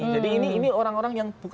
jadi ini orang orang yang